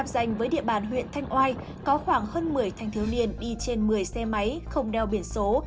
danh với địa bàn huyện thanh oai có khoảng hơn một mươi thanh thiếu niên đi trên một mươi xe máy không đeo biển số